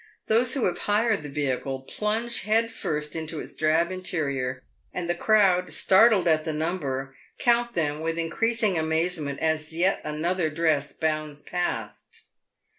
Those who have hired the vehicle plunge head first into its drab interior, and the crowd, startled at the number, count them with increasing amazement as yet another dress bounds past.